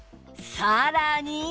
さらに